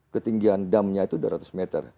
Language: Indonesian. ketinggian damnya itu dua ratus meter